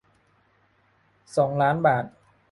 สองล้าน บาท